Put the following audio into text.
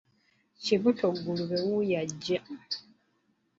Kibuto ngulube wuuyo ajja!